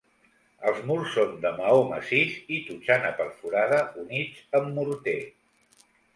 Els murs són de maó massís i totxana perforada units amb morter.